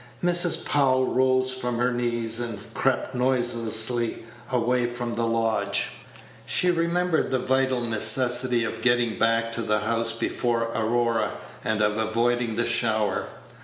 Mrs. Powell rose from her knees, and crept noiselessly away from the lodge. She remembered the vital necessity of getting back to the house before Aurora, and of avoiding the shower.